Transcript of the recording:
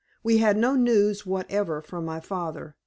We had no news whatever from my father.